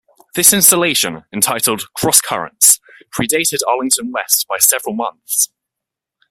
This installation, entitled "CrossCurrents", predated Arlington West by several months.